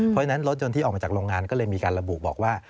เพราะฉะนั้นรถยนต์ที่ออกมาจากโรงงานก็เลยมีการระบุบอกว่า